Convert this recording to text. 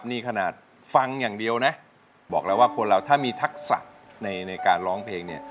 นี่ขนาดฟังอย่างเดียวนะบอกแล้วว่าคนเราถ้ามีทักษะในการร้องเพลงเนี่ย